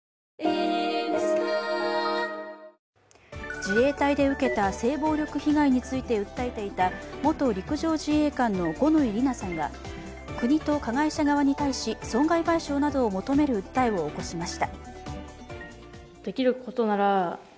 自衛隊で受けた性暴力被害について訴えていた元陸上自衛官の五ノ井里奈さんが国と加害者側に対し損害賠償などを求める訴えを起こしました。